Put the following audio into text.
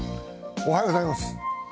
おはようございます。